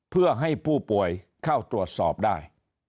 เพื่อให้ผู้ป่วยเข้าตรวจสอบได้